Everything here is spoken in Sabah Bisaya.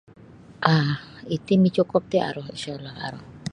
um Iti micukup ti aru InshaAllah aru.